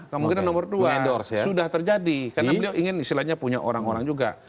kemungkinan nomor dua sudah terjadi karena beliau ingin istilahnya punya orang orang juga